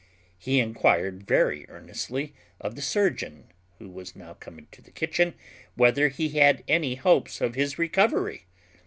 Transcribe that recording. He inquired very earnestly of the surgeon, who was now come into the kitchen, whether he had any hopes of his recovery?